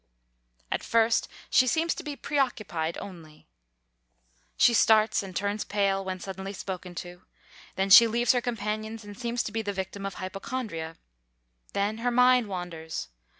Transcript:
At first she seems to be preoccupied only. She starts and turns pale when suddenly spoken to. Then she leaves her companions and seems to be the victim of hypochondria. Then her mind wanders.